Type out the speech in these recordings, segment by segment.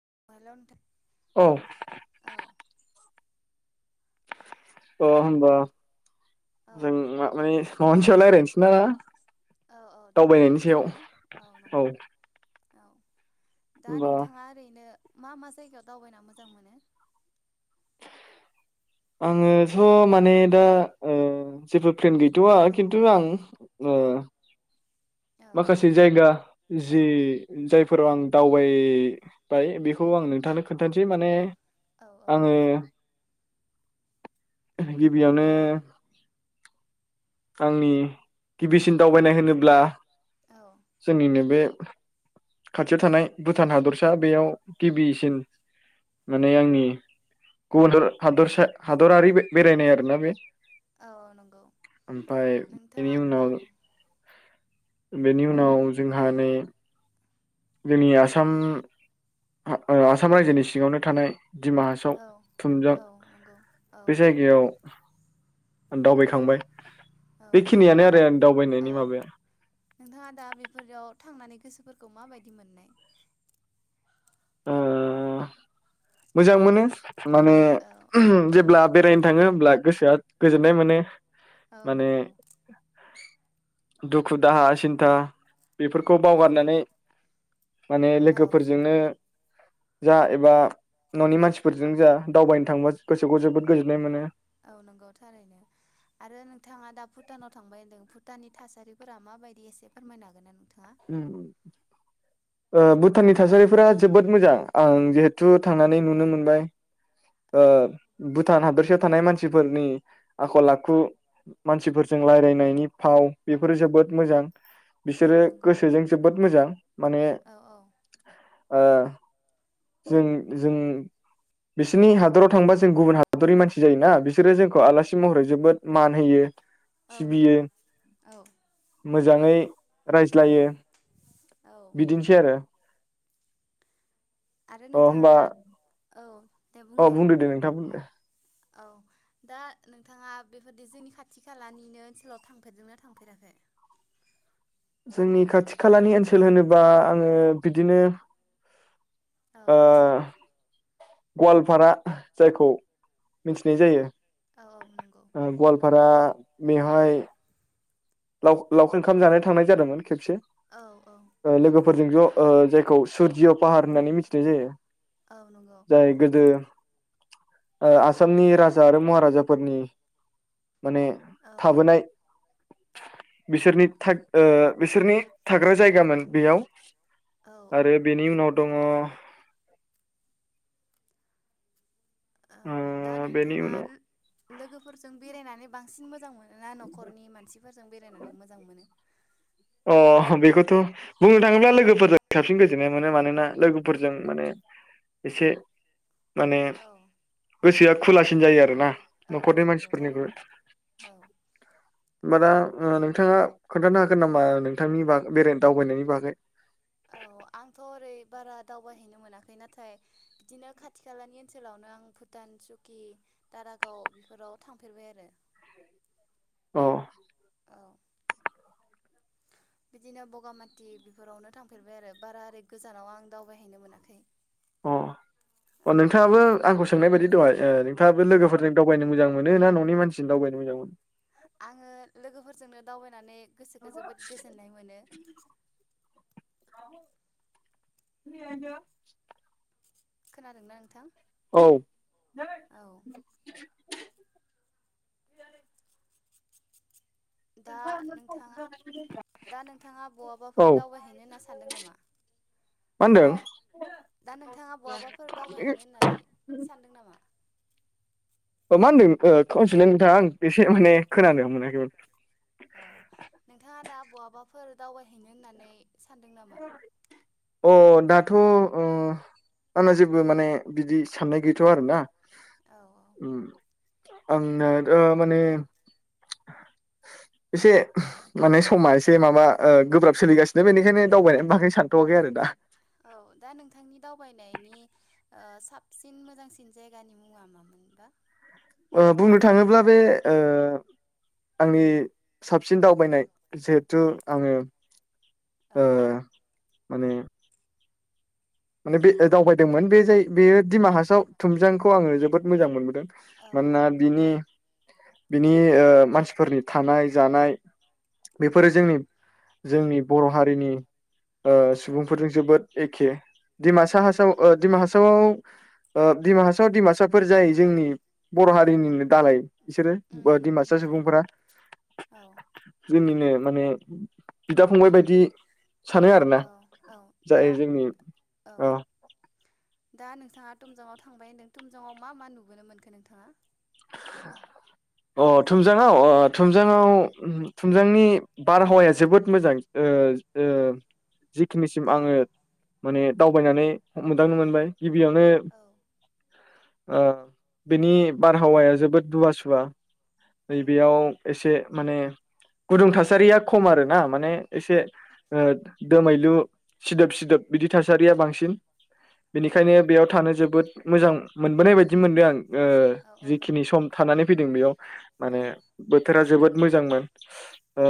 [unintelligible] नोंथां औ। औ अ होमबा औ जों मा माने न'नि सायाव रायलायनोसै ना? औ औ दावबायनायनि सायाव औ नोंगौ। [inaudible] दा होमबा नोंथाङा ओरैनो [inaudible] मा मा जायगायाव दावबायना मोजां मोनो? [inaudible] आङोथ' माने दा ओ जेबो प्लेन गैथ'वा खिन्थु आं ओ औ माखासे जायगा जि जायफोराव आं दावबाय बाय बेखौ आं नोंथांनो खोन्थानोसै माने औ औ आङो गिबियावनो आंनि गिबिसिन दावबायनाय होनोब्ला औ जोंनिनो बे खाथियाव थानाय भुटान हादरसा बेयाव गिबिसिन माने आंनि गुबुन हादरसा हादरारि बे बेरायनाय आरोना बे औ औ नोंगौ। [inaudible] ओमफाय बेनि उनाव बेनिउनाव जोंहा नै जोंनि आसाम ओ आसाम रायजोनि सिङावनो थानाय। दिमा हासाव औ थुमजां औ नंगौ औ बे जायगायाव दावबायखांबाय। औ बेखिनियानो नोंथाङा आरो दा आं दावबायनायनि औ माबाया नोंथाङा दा बेफोरयाव थांनानै गोसोफोरखौ माबायदि मोननाय? ओ मोजां मोनो माने औ उम जेब्ला बेरायनो थाङो होमब्ला गोसोआ गोजोननाय मोनो। औ माने नोंगौ। दुखु दाहा सिन्था बेफोरखौ बावगारनानै माने औ लोगोफोरजोंनो जा एबा न'नि मानसिफोरजों जा दावबायनो थांबा गोसोखौ जोबोद गोजोननाय मोनो। औ नोंगौ थारैनो आरो नोंथाङा दा भुटानाव थांबाय होनदों भुटाननि थासारिफोरा माबायदि एसे फोरमायनो हागोन ना नोंथां? ओ भुटाननि थासारिफोरा जोबोद मोजां आं जिहेथु थांनानै नुनो मोनबाय ओ औ भु टान हादरसायाव थानाय मानसिफोरनि आखल आखु मानसिफोरजों रायलायनायनि फाव बेफोरो जोबोद मोजां। औ नंगौ बिसोरो जोबोद मोजां। माने। औ औ ओ जों जों बिसोरनि हादराव थांबा जों गुबुन हादरनि मानसि जायोना बिसोरो जोंखौ आलासि महरै जोबोद मान होयो। औ सिबियो नंगौ औ। मोजाङै रायज्लायो। औ बिदिनोसै आरो। आरो अ नोंथाङा होमबा दा। औ। दे अ बुंनाय बुंदों दे नोंथां बुंदों दे। औ दा नोंथाङा बेफोरदि जोंनि खाथि खालानिनो ओनसोलाव थांफेरदोंना थांफेराखै? जोंनि खाथि खालानि ओनसोल होनोबा आङो बिदिनो औ ओ गवालपारा जायखौ मिथिनाय जायो। औ औ नंगौ गवालपारा। बेहाय लावखार ओंखाम जानो थांनाय जादोंमोन खेबसे। औ औ। फोरजों ज' जायखौ सुरजिय' पाहार होननानै मिथिनाय जायो। औ नंगौ जाय गोदो आसामनि राजा आरो महाराजाफोरनि माने औ थाबोनाय। बिसोरनि थाग ओ बिसोरनि थाग्रा जायगामोन बेयाव। औ औ आरो बेनि उनाव। दङ। औ दा बेनि नोंथाङा उनाव लोगोफोरजों बेरायनानै बांसिन मोजां मोनो ना न'खरनि मानसिफोरजों बेरायनानै मोजां मोनो? अ बेखौथ' बुंनो थाङोब्ला लोगोफोरजों साबसिन गोजोननाय मोनो मानोना लोगोफोरजों माने एसे माने। औ गोसोआ खुलासिन जायो आरोना। औ औ न'खरनि नंगौ मानसिफोरनिख्रुइ थारैनो औ। होमबा दा नोंथाङा खोन्थानो हागोन नामा? बा नोंथांनि बागै बेराय दावबायनायनि बागै। औ आंथ' ओरै बारा दावबायहैनो मोनाखै नाथाय बिदिनो खाथि खालानि ओनसोलावनो आं भुटान, सौकि, दारागाव बेफोराव थांफेरबाय आरो। अ औ बिदिनो बगामाथि बेफोरावनो थांफेरबाय आरो बारा ओरै गोजानाव आं दावबायहैनो मोनाखै। अ अ औ नोंथाङाबो आंखौ सोंनाय बायदि दहाय ओ नोंथाङाबो लोगोफोरजों दावबायनो मोजां मोनो ना न'नि मानसिजों दावबायनो मोजां मोनो? आङो लोगोफोरजोंनो दावबायनानै गोसोखौ जोबोद गोजोननाय मोनो। [unintelligible] खोनादोंना नोंथां? औ औ दा नोंथाङा दा नोंथाङा औ बहाबाफोर दावबायहैनो होनना सानदों नामा? मा होन्दों? दा नोंथाङा बहाबाफोर दावबायहैनो होननानै सानदों नामा? ओ मा होनदों ओ होनफिनलाय नोंथाङा आं एसे माने खोनानो मोनाखैमोन। औ नोंथाङा दा बहाबाफोर दावबायहैनो होननानै सानदों नामा? अ दा थ' अ आंना जेबो माने बिदि साननाय गैथया आरो ना। औ औ उम आंना ओ माने एसे माने समा एसे माबा गोब्राब सोलिगासिनो बेनिखायनो दावबायनायनि बागै सानथ'वाखै आरो दा। औ दा नोंथांनि दावबायनायनि ओ साबसिन मोजांसिन जायगानि मुङा मामोनबा? ओ बुंनो थाङोब्ला बे ओ आंनि साबसिन दावबायनाय जिहेथु आङो औ ओ माने माने बे दावबायदोंमोन बे जाय बेयो दिडिमा हासाव थुमजांखौ आङो जोबोद मोजां मोनबोदों। औ औ मानोना नंगौ बिनि बिनि ओ मानसिफोरनि थानाय जानाय बेफोरो औ जोंनि जोंनि बर' हारिनि ओ औ सुबुंफोरजों जोबोद एखे। औ दिडमासा औ हासाव ओ नंगौ। डिमा हासावआव ओ डिमाहासावा दिडिमासाफोर जोंनि बर' हारिनिनो दालाय। बिसोरो उम ओ उम दिमासा नंगौ सुबुंफोरा औ जोंनिनो माने बिदा फंबाय बायदि सानो आरो ना औ औ जाय दा जोंनि औ दा नोंथाङा टुमजांआव थांबाय होनदों टुमजांआव मा मा नुबोनो मोनखो नोंथाङा? अ थुमजांआव अ औ थुमजाङाव जोंनि बारहावाया जोबोद मोजां ओ ओ जिखिनिसिम औ आङो माने दावबायनानै मोनदांनो मोनबाय गिबियावनो औ ओ बिनि बारहावाया जोबोद दुवा सुवा। औ नैबेयाव नंगौ। एसे माने गुदुं थासारिया खम आरो ना माने एसे ओ दोमैलु सिदोब सिदोब बिदि थासारिया बांसिन। औ बेनिखायनो बेयाव थानो जोबोद मोजां मोनबोनाय बायदि मोनदों आं ओ औ औ जिखिनि नंगौ सम थानानै फैदों बेयाव माने औ बोथोरा जोबोद मोजांमोन। ओ औ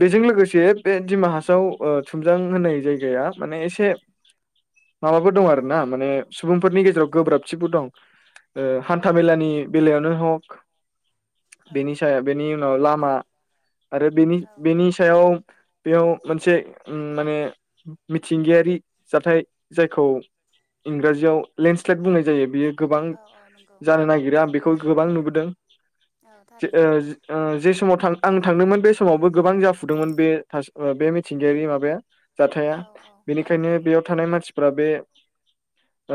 बेजों लोगो लोगोसे बे डिमाहासाव थुमजां होननाय जायगाया माने एसे माबफोर दङ आरो ना माने सुबुं फोरनि गेजेराव गोब्राबथिबो दं। औ ओ हान्था नंगौ मेलानि बेलायावनो हक औ बेनि साया बेनि लामा आरो बेनि औ बेनि सायाव बेयाव मोनसे उम माने मिथिंगायारि जाथाय जायखौ इंराजियाव लेन्डस्लेद बुंनाय जायो बियो गोबां औ औ नंगौ नागिरो आं बिखौ गोबां नुबोदों औ जे थारैनो ओ जे समाव थां आं थांदोंमोन बे समावबो गोबां जाफुदोंमोन बे थास ओ बे मिथिंगायारि माबाया जाथाया औ औ औ बेनिखायनो नंगौ बेयाव थानाय मानसि फुरा बे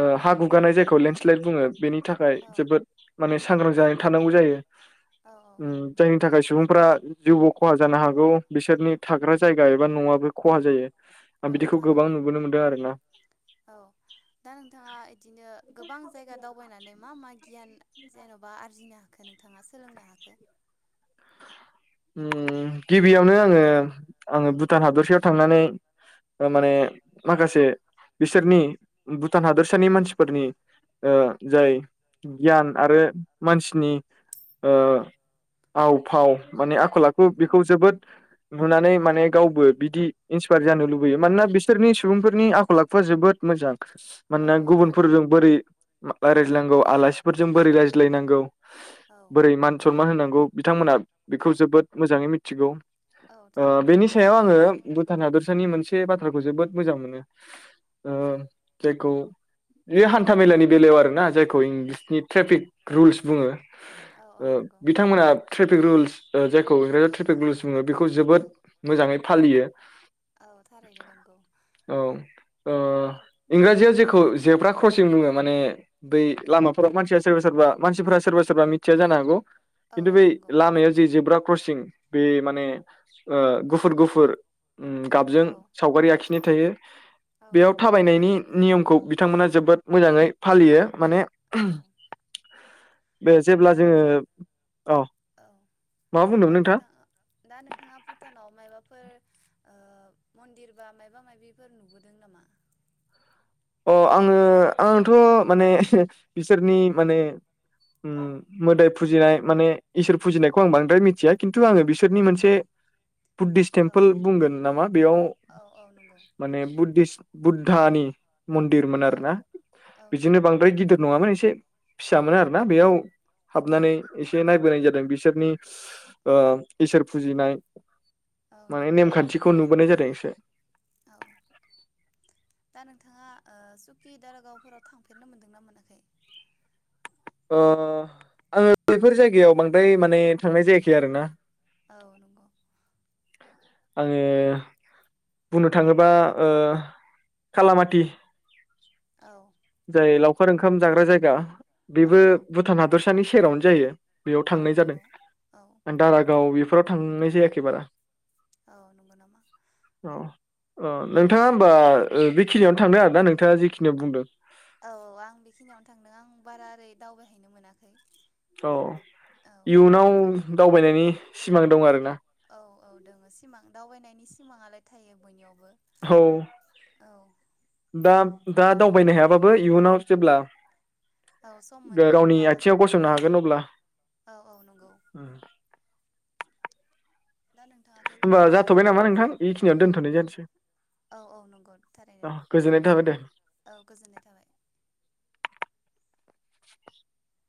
ओ हा गुगानाय जायखौ लेन्डस्लाइद बुङो बेनि थाखाय औ जोबोद माने सांग्रां जानानै थानांगौ जायो। औ उम जायनि थाखाय सुबुंफ्रा जिउबो खहा जानो हागौ बिसोरनि थाग्रा जायगा एबा न'आबो खहा जायो। आं औ बिदिखौ गोबां थारैनो। नुबोनो मोनदों आरोना औ दा नोंथाङा इदिनो गोबां जायगा दावबायनानै मा मा गियान जेन'बा आरजिनो हा खो नोंथाङा सोलोंनो हाखो? ओम गिबियावनो आङो आङो भुटान हादरसायाव थांनानै औ माने माखासे से बिसोरनि भुटान हादोरसानि मानसिफोरनि ओ जाय गियान आरो मानसिनि ओ औ आव फाव माने आखल आखु बेखौ जोबोद नुनानै माने गावबो बिदि इन्सपायार जानो लुबैयो। मानोना बिसोरनि सुबुंफोरनि आखल आखुआ जोबोद मोजां। औ मानोना थारैनो गुबुनफोरजों बोरै रायज्लायनांगौ आलासिफोरजों बोरै रायज्लायनांगौ? औ बोरै मान सनमान होनां गौ बिथांमोना बेखौ जोबोद मोजाङै मिथिगौ। औ ओ थारैनो बेनि नंगौ सायाव आङो भुटान हादरसानि मोन से बाथ्राखौ जोबोद मोजां मोनो। ओ औ जायखौ बे हान्था मेलानि बेलायाव आरोना जायखौ इंलिसनि ट्रेफिक रुल्स बुङो। औ औ ओ नंगौ बिथांमोना ट्राफिक रुलस जायखौ इंराजाव ट्रेफिक रुल्स बुङो बेखौ जोबोद मोजाङै फालियो। औ थारैनो नंगौ औ ओ औ इंराजियाव जे खौ जेब्रा क्रसिं बुङो माने बै लामाफोराव मानसिया सोरबा सोरबा मानसिफोरा सोरबा सोरबा मिथिया जानो हागौ। औ खिन्थु औ बेै नंगौ लामायाव जेब्रा क्रसिं बे माने ओ गुफुर गुफुर ओम गाबजों औ सावगारि आखि खिनाय थायो। औ बेयाव थाबायनायनि नियमखौ बिथांमोना जोबोद मोजाङै फालियो। माने औ बे जेब्ला दा जोङो अ औ मा बुंदोंमोन दा नोंथां नोंथाङा दा नोंथाङा भुटानाव मायबाफोर ओ मन्दिर बा मायबा माबिफोर नुबोदों नामा? अ आङो आंथ' माने बिसोरनि माने औ मोदाय फुजिनाय माने इसोर फुजिनायखौ आं बांद्राय मिथिया खिन्थु आङो बिसोरनि मोनसे बुद्धिस औ टेम्पोल बुंगोन नामा बेयाव औ औ नंगौ माने बुद्धिसत बुद्धानि मन्दिरमोन आरो औ ना औ बिदिनो नंगौ बांद्राय गिदिर नङामोन एसे फिसामोन आरोना बेयाव हाबनानै एसे नायबोनाय जादों बिसोरनि ओ इसोर फुजिनाय औ माने नंगौ नेमखान्थिखौ नुबोनाय जादों। [unintelligible] औ दा नोंथाङा सुकि दारगावफोराव थांफेरनो मोनदोंना मोनाखै? ओ आङो बेफोर जायगायाव बांद्राय माने थांनाय जायाखै आरोना। औ नंगौ। आङो बुंनो थाङोबा ओ खालामाथि औ। जाय लावखार ओंखाम जाग्रा जायगा। औ बेबो भुटान हादर सानि सेरावनो जायो। बेयाव औ थांनाय जादों नंगौ औ दारागाव बेफोराव थांनाय जायाखैबारा। औ नंगौ नामा औ औ नोंथाङा होनबा ओ बेखिनियावनो थांदों आर ना नोंथाङा जिखिनियाव बुंदों? औ आं बेखिनियावनो थांदों आं बारा ओरै दावबायहैनो मोनाखै। औ औ इयुनाव दावबायनायनि सिमां दं आरोना? औ औ दङ सिमां दावबायनायनि सिमाङालाय थायो बयनियावबो। औ औ दा दा दावबायनो हायाबाबो इयुनाव जेब्ला औ सम मोनो गावनि अब्ला आथिङाव गसंनो औ हागोन अब्ला औ औ नंगौ दा नोंथाङाथ' होमबा लोगोफोरजों जाथ'बाय नामा दावबायना नोंथां जोबोद मोजां बेखिनियावनो मोनो दोनथ'नाय जानोसै औ औ नंगौ थारैनो औ गोजोननाय थाबाय दे औ गोजोननाय थाबाय [inaudible]